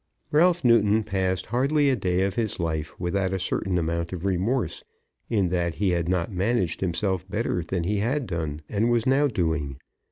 Ralph Newton passed hardly a day of his life without a certain amount of remorse in that he had not managed himself better than he had done, and was now doing.